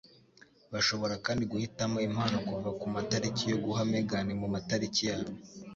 Bashobora kandi guhitamo impano kuva kumatariki yo guha Megan mumatariki yabo.